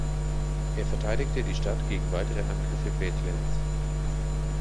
Er verteidigte die Stadt gegen weitere Angriffe Bethlens.